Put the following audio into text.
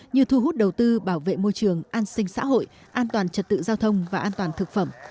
như thu hút đầu tư bảo vệ môi trường an sinh xã hội an toàn trật tự giao thông và an toàn thực phẩm